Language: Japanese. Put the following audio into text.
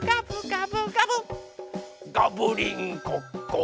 「ガブリンコッコ！」